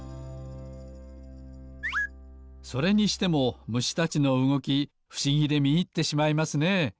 それにしてもむしたちのうごきふしぎでみいってしまいますね。